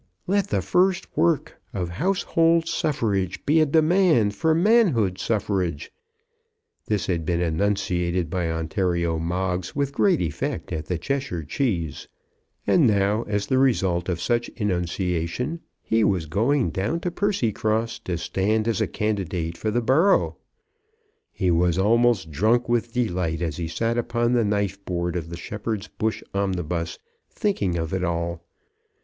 "Let the first work of household suffrage be a demand for manhood suffrage." This had been enunciated by Ontario Moggs with great effect at the Cheshire Cheese; and now, as the result of such enunciation, he was going down to Percycross to stand as a candidate for the borough! He was almost drunk with delight as he sat upon the knife board of the Shepherd's Bush omnibus, thinking of it all.